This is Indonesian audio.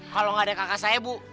kalau nggak ada kakak saya bu